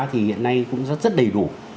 thì hiện nay cũng rất đầy đủ